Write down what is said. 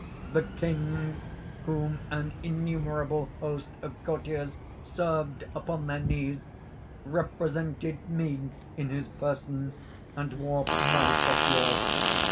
The King, whom an innumerable host of courtiers served upon their knees, represented me in his person, and wore my coiffure.